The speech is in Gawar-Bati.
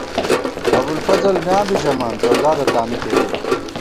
ابُوالفضل میاں بی ژَمان ، زؤزادہ تانُو کېرِؤ